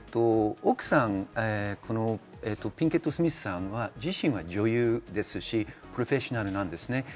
奥さん、ピンケット・スミスさん自身は女優ですし、プロフェッショナルです。